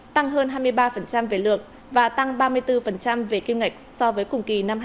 tăng hơn hai mươi ba về lượng và tăng ba mươi bốn về kim ngạch so với cùng kỳ năm hai nghìn hai mươi ba